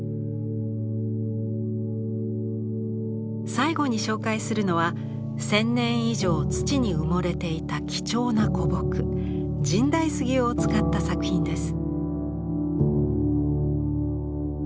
最後に紹介するのは千年以上土に埋もれていた貴重な古木神代杉を使った作品です。